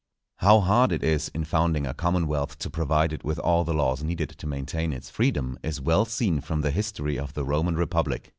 _ How hard it is in founding a commonwealth to provide it with all the laws needed to maintain its freedom, is well seen from the history of the Roman Republic.